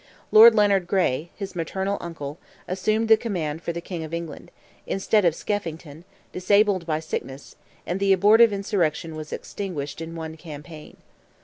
Lord Leonard Gray, his maternal uncle, assumed the command for the King of England, instead of Skeffington, disabled by sickness, and the abortive insurrection was extinguished in one campaign.